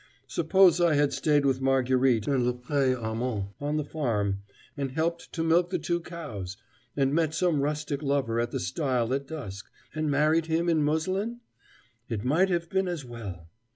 Suppose I had stayed with Marguerite and le père Armaud on the farm, and helped to milk the two cows, and met some rustic lover at the stile at dusk, and married him in muslin? It might have been as well!